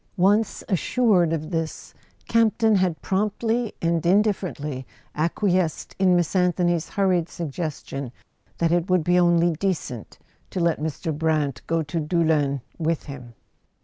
Once assured of this, Campton had promptly and indifferently acquiesced in Miss An¬ thony's hurried suggestion that it would be only decent to let Mr. Brant go to Doullens with him.